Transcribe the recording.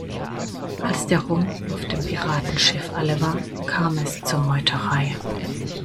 Als der Rum auf dem Piratenschiff alle war, kam es zur Meuterei.